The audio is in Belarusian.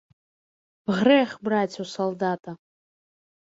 Грэх браць у салдата.